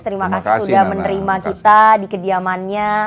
terima kasih sudah menerima kita di kediamannya